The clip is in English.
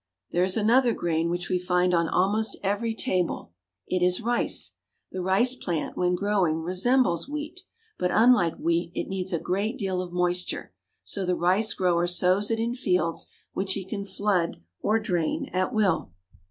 There is another grain which we find on almost every table. It is rice. The rice plant, when growing, resembles wheat; but, unlike wheat, it needs a great deal of moisture. So the rice grower sows it in fields which he can flood or drain at will.